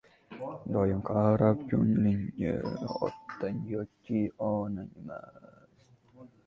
• Olovni etak bilan o‘chirib bo‘lmaydi.